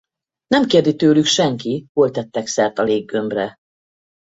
Nem kérdi tőlük senki, hol tettek szert a léggömbre.